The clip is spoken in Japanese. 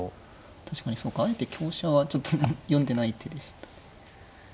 確かにそうかあえて香車はちょっと読んでない手でしたね。